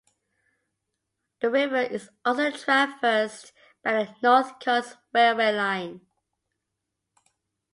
The river is also traversed by the North Coast railway line.